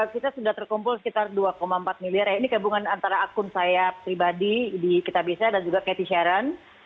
kita sudah terkumpul sekitar dua empat miliar ya ini gabungan antara akun saya pribadi di kitabisa dan juga katy sharon